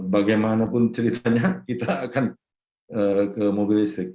bagaimanapun ceritanya kita akan ke mobil listrik